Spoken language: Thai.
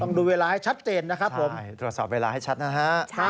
ต้องดูเวลาให้ชัดเจนนะครับผมใช่แล้วค่ะตรวจสอบเวลาให้ชัดนะฮะ